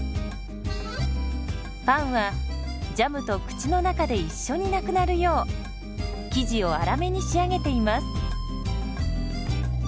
パンはジャムと口の中で一緒になくなるよう生地を粗めに仕上げています。